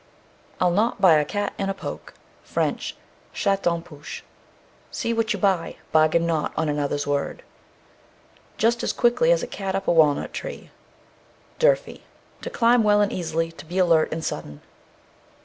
I'll not buy a cat in a poke. F., Chat en Poche. See what you buy; bargain not on another's word. Just as quick as a cat up a walnut tree. D'URFEY. To climb well and easily. To be alert and sudden.